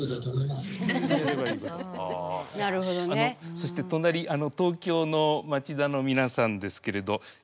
そして隣東京の町田の皆さんですけれど。